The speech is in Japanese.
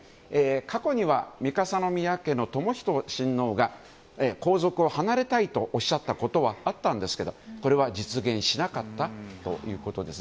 過去には三笠宮家の寛仁親王が皇族を離れたいとおっしゃったことはあったんですが、これは実現しなかったということです。